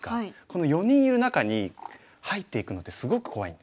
この４人いる中に入っていくのってすごく怖い。